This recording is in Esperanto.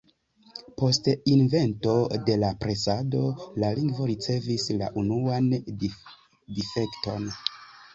Post invento de la presado la lingvo ricevis la unuan difekton.